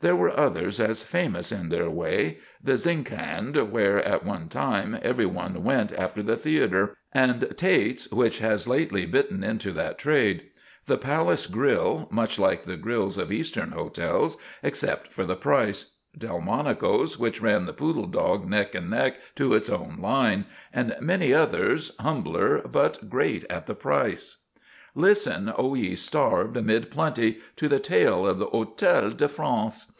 There were others as famous in their way the Zinkand, where, at one time, every one went after the theatre, and Tate's, which has lately bitten into that trade; the Palace Grill, much like the grills of Eastern hotels, except for the price; Delmonico's, which ran the Poodle Dog neck and neck to its own line; and many others, humbler but great at the price. Listen! O ye starved amidst plenty, to the tale of the Hotel de France.